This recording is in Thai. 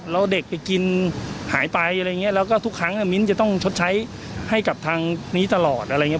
แล้วเด็กไปกินหายไปอะไรอย่างเงี้ยแล้วก็ทุกครั้งมิ้นจะต้องชดใช้ให้กับทางนี้ตลอดอะไรอย่างเง